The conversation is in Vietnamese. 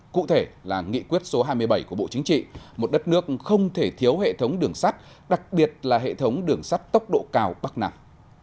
cụ thể là nghị quyết số hai mươi bảy của bộ chính trị một đất nước không thể thiếu hệ thống đường sắt đặc biệt là hệ thống đường sắt tốc độ cao bắc nặng